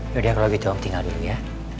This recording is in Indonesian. yaudah kalau gitu om tinggal dulu ya